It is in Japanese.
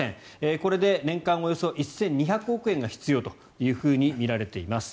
これで年間およそ１２００億円が必要とみられています。